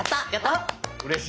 うれしい。